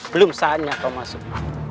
belum saatnya kau masuk